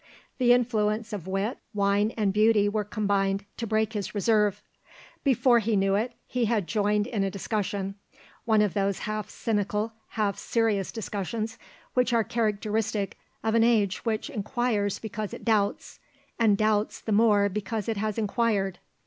The influence of wit, wine, and beauty were combined to break his reserve; before he knew it, he had joined in a discussion, one of those half cynical, half serious discussions which are characteristic of an age which inquires because it doubts, and doubts the more because it has inquired.